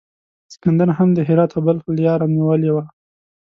سکندر هم د هرات او بلخ لیاره نیولې وه.